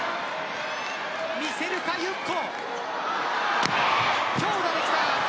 見せるか、ユッコ。